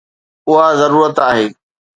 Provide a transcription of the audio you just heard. اها ضرورت آهي